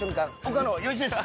岡野陽一です。